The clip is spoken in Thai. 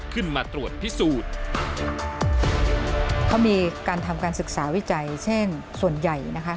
เขามีการทำการศึกษาวิจัยเช่นส่วนใหญ่นะคะ